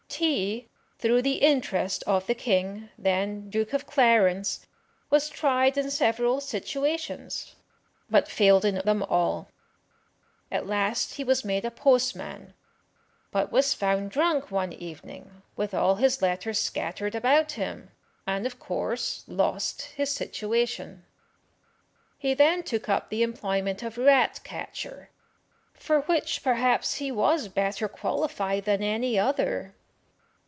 T y, through the interest of the king, then Duke of Clarence, was tried in several situations, but failed in them all. At last he was made a postman, but was found drunk one evening with all his letters scattered about him, and, of course, lost his situation. He then took up the employment of rat catcher, for which, perhaps, he was better qualified than any other.